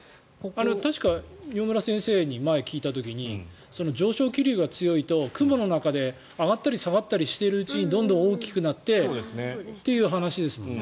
確か饒村先生に前に聞いた時に上昇気流が強いと雲の中で上がったり下がっているうちにどんどん大きくなってということですよね。